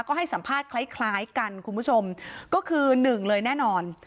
ก็ให้สัมภาษณ์คล้ายกันคุณผู้ชมก็คือ๑เลยแน่นอน